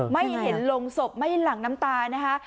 ไม่เห็นลงศพไม่หลั่งน้ำตานะคะ